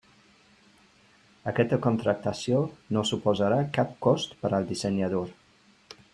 Aquesta contractació no suposarà cap cost per al dissenyador.